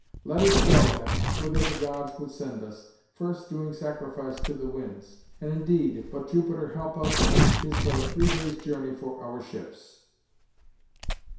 Let us go, then, whither the Gods would send us, first doing sacrifice to the Winds; and, indeed, if but Jupiter help us, 'tis but a three days' journey for our ships."